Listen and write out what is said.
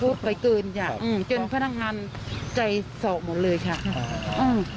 พูดไปเกินจนพนักงานใจศอกหมดเลยค่ะอืม